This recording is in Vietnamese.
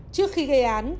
trước khi gây án